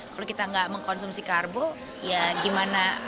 kalau kita nggak mengkonsumsi karbo ya gimana